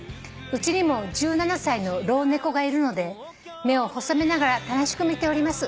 「うちにも１７歳の老猫がいるので目を細めながら楽しく見ております。